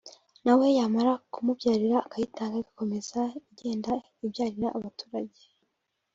na we yamara kumubyarira akayitanga igakomeza igenda ibyarira abaturage